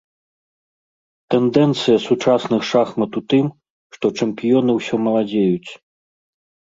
Тэндэнцыя сучасных шахмат у тым, што чэмпіёны ўсё маладзеюць.